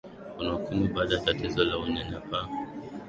kwa ukimwi bado tatizo la unyanyapa